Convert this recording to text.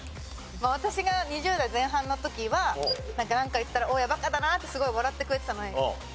私が２０代前半の時はなんか言ったら大家バカだなってすごい笑ってくれてたのに今。